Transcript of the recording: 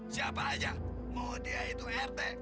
siapa aja mau dia itu rt